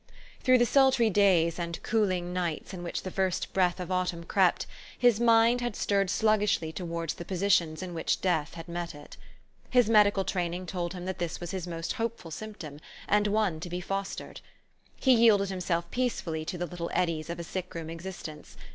Through the sultry days and cooling nights in which the first breath of autumn crept, his mind had stirred sluggishly towards the positions in which death had met it. His medical training told him that this was his most hopeful symptom, and one to be fostered. He yielded himself peacefully to the little eddies of a sick room existence.